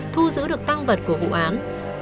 thu giữ được tăng vật của vụ án